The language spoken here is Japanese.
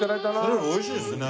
セロリおいしいですね。